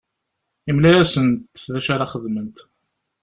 Yemla-asent d acu ara xedment.